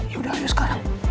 yaudah ayo sekarang